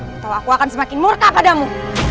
atau aku akan semakin murka padamu